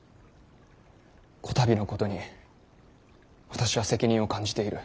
こたびのことに私は責任を感じている。